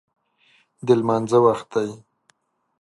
د لمانځه وخت دی